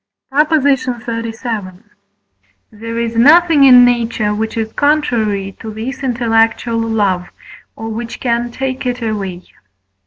PROP. XXXVII. There is nothing in nature, which is contrary to this intellectual love, or which can take it away.